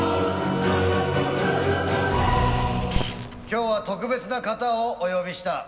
今日は特別な方をお呼びした。